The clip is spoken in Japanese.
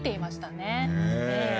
ねえ。